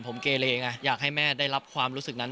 ผมเกเลไงอยากให้แม่ได้รับความรู้สึกนั้น